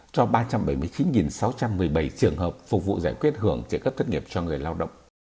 cho ba trăm bảy mươi chín sáu trăm một mươi bảy trường hợp phục vụ giải quyết hưởng trợ cấp thất nghiệp cho người lao động